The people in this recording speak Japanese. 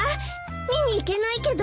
見に行けないけど。